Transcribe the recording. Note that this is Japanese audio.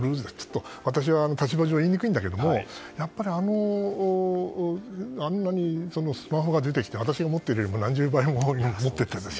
私は立場上、言いにくいんだけどあんなにスマホが出てきて私が持っている何十倍も持っているでしょ。